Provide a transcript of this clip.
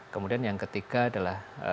kemudian yang ketiga adalah